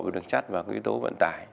đường sắt và cái yếu tố vận tải